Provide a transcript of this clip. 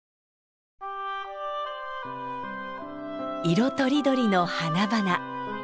色とりどりの花々。